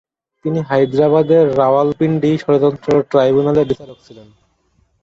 তিনি হায়দ্রাবাদের রাওয়ালপিন্ডি ষড়যন্ত্র ট্রাইব্যুনালে বিচারক ছিলেন।